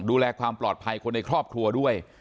ดูแลความปลอดภัยคนในครอบครัวด้วย